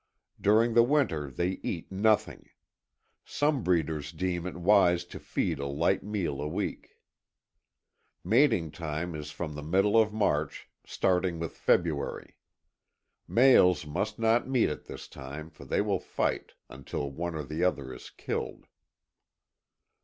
During the winter they eat nothing. Some breeders deem it wise to feed a light meal a week. Mating time is from the middle of March, starting with February. Males must not meet at this time for they will fight, until one or the other is killed.